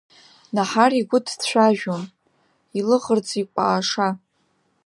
Наҳар игәы дҭацәажәон, илаӷырӡ икәааша.